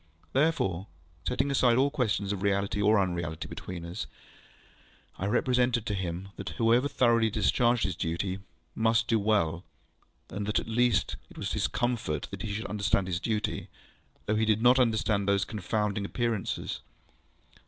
Therefore, setting aside all question of reality or unreality between us, I represented to him that whoever thoroughly discharged his duty must do well, and that at least it was his comfort that he understood his duty, though he did not understand these confounding Appearances.